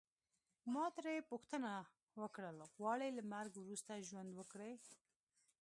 ما ترې پوښتنه وکړل غواړې له مرګه وروسته ژوند وکړې.